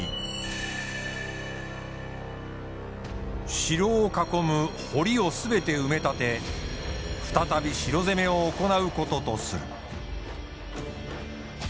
城を囲む堀を全て埋め立て再び城攻めを行うこととする。